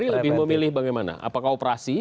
lebih memilih bagaimana apakah operasi